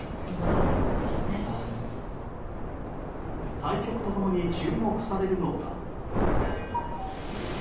対局と共に注目されるのが。